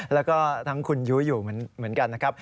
แล้วก็ทั้งคุณยุ้ยอยู่เหมือนกันนะครับ